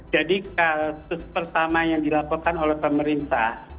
jadi kasus pertama yang dilakukan oleh pemerintah